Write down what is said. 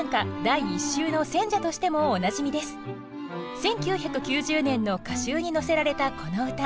１９９０年の歌集に載せられたこの歌。